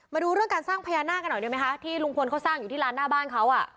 มาดูเรื่องการสร้างพญานาคกันหน่อยได้ไหมคะที่ลุงพลเขาสร้างอยู่ที่ร้านหน้าบ้านเขาอ่ะ